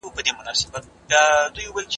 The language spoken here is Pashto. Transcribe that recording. د علم په واسطه د توحيد لار پيژندل کيږي.